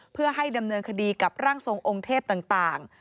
เพื่อให้ดำเนินคดีกับร่างทรงองค์เทพต่าง